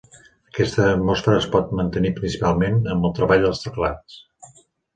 Aquesta atmosfera es pot mantenir principalment amb el treball dels teclats.